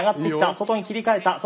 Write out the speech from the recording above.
外に切り替えた。